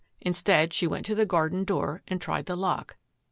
Instead, she went to the garden door and tried the lock.